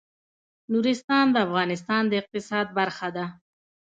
نورستان د افغانستان د اقتصاد برخه ده.